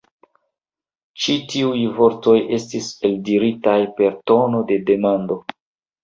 Ĉi tiuj vortoj estis eldiritaj per tono de demando.